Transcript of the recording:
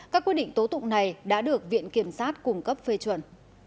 các quyết định tố tụng này đã được viện kiểm sát cung cấp phê chuẩn